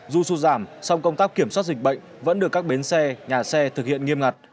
dù sụt giảm song công tác kiểm soát dịch bệnh vẫn được các bến xe nhà xe thực hiện nghiêm ngặt